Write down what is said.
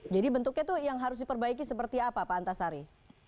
jadi bentuknya itu yang harus diperbaiki seperti apa pak antasari